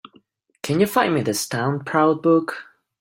Can you find me the Stand Proud book?